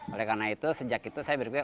oleh karena itu sejak itu saya berpikir